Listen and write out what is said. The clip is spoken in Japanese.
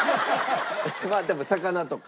まあでも魚とか。